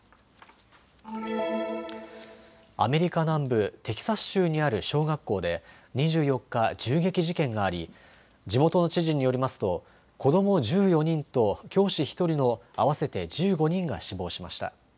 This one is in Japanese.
アメリカ南部テキサス州にある小学校で２４日、銃撃事件があり地元の知事によりますと子ども１４人と教師１人の合わせて１５人が死亡しました。